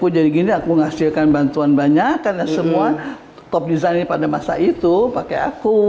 jadi gini aku ngasihkan bantuan banyak karena semua top design pada masa itu pakai aku